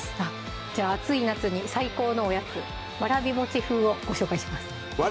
じゃあ暑い夏に最高のおやつ「わらび風」をご紹介します